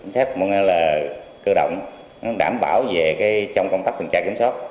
cảnh sát cơ động đảm bảo về trong công tác tình trạng kiểm soát